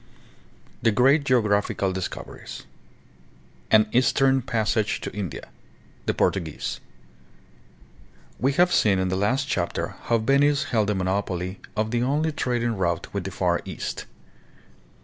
THE GREAT GEOGRAPHICAL DISCOVERIES. An Eastern Passage to India. The Portuguese. TVe have seen in the last chapter how Venice held a monopoly of the only trading route with the Far East.